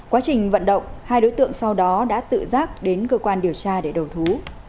quá trình vận động hai đối tượng sau đó đã tự giác đến cơ quan điều tra để đầu thú